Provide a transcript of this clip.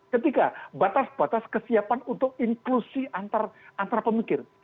ketiga batas batas kesiapan untuk inklusi antara pemikir